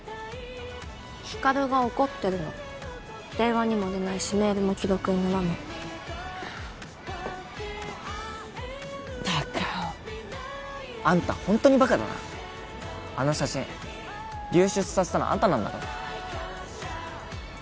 光琉が怒ってんの電話にも出ないしメールも既読にならないったくあんたホントにバカだなあの写真流出させたのあんたなんだろ？